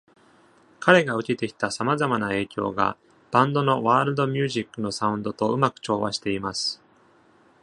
彼が受けてきた様々な影響が、バンドのワールドミュージックのサウンドとうまく調和しています。